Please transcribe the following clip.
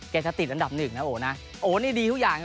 จะติดอันดับหนึ่งนะโอ้นะโอ้นี่ดีทุกอย่าง